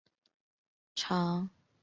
长臀云南鳅为鳅科云南鳅属的鱼类。